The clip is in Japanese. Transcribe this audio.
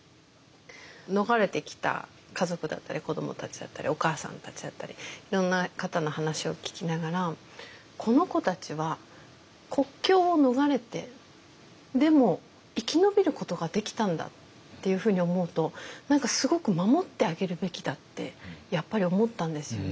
逃れてきた家族だったり子どもたちだったりお母さんたちだったりいろんな方の話を聞きながらこの子たちは国境を逃れてでも生き延びることができたんだっていうふうに思うと何かすごく守ってあげるべきだってやっぱり思ったんですよね。